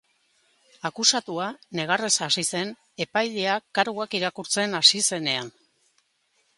Akusatua negarrez hasi zen epailea karguak irakurtzen hasi zenean.